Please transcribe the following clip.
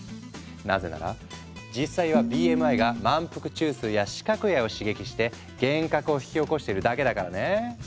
なぜなら実際はＢＭＩが満腹中枢や視覚野を刺激して幻覚を引き起こしてるだけだからね。